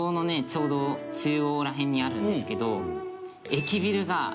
ちょうど中央ら辺にあるんですけど。